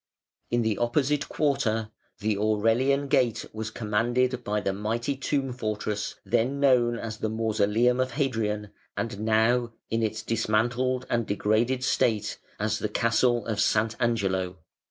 In the opposite quarter the Aurelian Gate was commanded by the mighty tomb fortress then known as the Mausoleum of Hadrian, and now, in its dismantled and degraded state, as the Castle of Sant'Angelo.